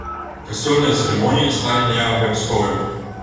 Касцёльныя цырымоніі сталі не абавязковымі.